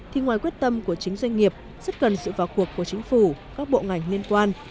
thì ngoài quyết tâm của chính doanh nghiệp rất cần sự vào cuộc của chính phủ các bộ ngành liên quan